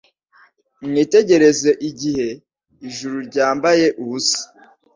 Mwitegereze igihe ijuru ryambaye ubusa;